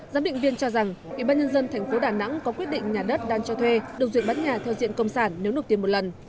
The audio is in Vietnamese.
giám định viên cho rằng ủy ban nhân dân thành phố đà nẵng có quyết định nhà đất đang cho thuê được duyệt bán nhà theo diện công sản nếu được tiền một lần